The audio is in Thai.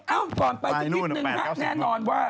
เอ้าก่อนไปจุดนึงนะแน่นอนว่า